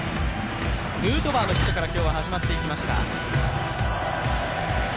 ヌートバーのヒットから今日は始まっていきました。